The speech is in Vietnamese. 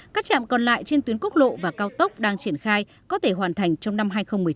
các trạm còn lại trên tuyến quốc lộ và cao tốc đang triển khai có thể hoàn thành trong năm hai nghìn một mươi chín